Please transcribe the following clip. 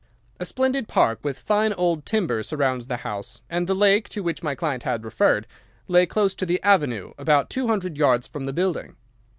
A splendid park with fine old timber surrounds the house, and the lake, to which my client had referred, lay close to the avenue, about two hundred yards from the building.